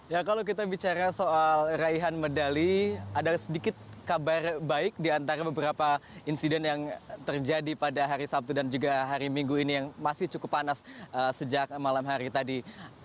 ya kalau kita bicara soal raihan medali ada sedikit kabar baik di antara beberapa insiden yang terjadi pada hari sabtu dan juga hari minggu ini yang masih cukup panas sejak malam hari tadi